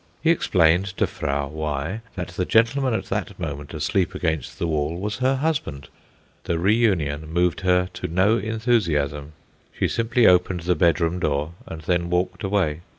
He explained to Frau Y. that the gentleman at that moment asleep against the wall was her husband. The reunion moved her to no enthusiasm; she simply opened the bedroom door, and then walked away.